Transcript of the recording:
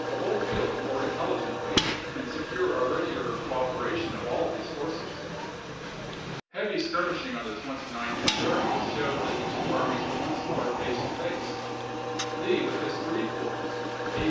Lon the whole field more intelligently and secure a "^^^^^"1^^ readier cooperation of all his forces. "p.ke^^' Heavy skirmishing on the 29th and 30th showed May, i864. that the two armies were once more face to face. Lee with his three corps, A.